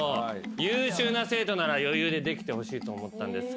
優秀な生徒なら余裕でできてほしいと思ったんですが。